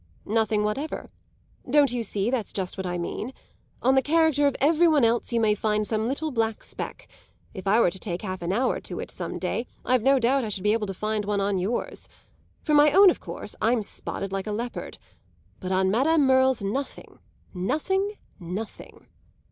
"Nothing whatever. Don't you see that's just what I mean? On the character of every one else you may find some little black speck; if I were to take half an hour to it, some day, I've no doubt I should be able to find one on yours. For my own, of course, I'm spotted like a leopard. But on Madame Merle's nothing, nothing, nothing!"